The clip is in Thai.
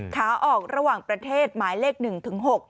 ขาออกระหว่างประเทศหมายเลข๑ถึง๖